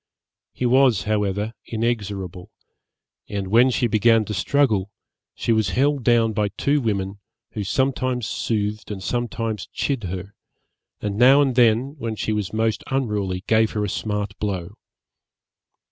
He was however inexorable; and when she began to struggle, she was held down by two women, who sometimes soothed and sometimes chid her, and now and then, when she was most unruly, gave her a smart blow.